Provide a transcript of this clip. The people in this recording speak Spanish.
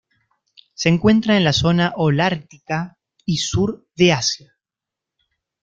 Se encuentra en la zona holártica y sur de Asia.